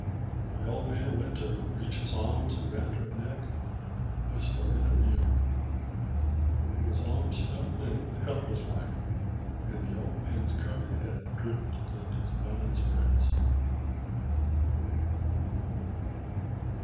The Old Man went to reach his arms around her neck 'nd whisper in her ear. But his arms fell limp and helpless like, 'nd the Old Man's curly head drooped on his mother's breast.